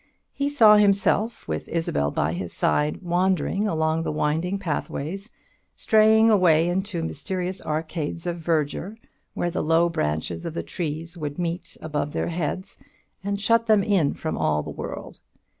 He saw himself, with Isabel by his side, wandering along the winding pathways, straying away into mysterious arcades of verdure, where the low branches of the trees would meet above their heads, and shut them in from all the world.